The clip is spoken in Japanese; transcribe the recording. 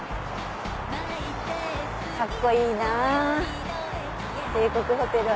カッコいいなぁ帝国ホテルは。